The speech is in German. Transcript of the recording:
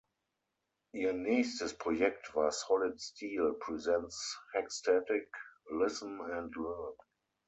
Ihr nächstes Projekt war Solid Steel Presents Hexstatic – Listen and Learn.